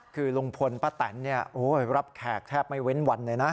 คือลุงพลป้าแตนรับแขกแทบไม่เว้นวันเลยนะ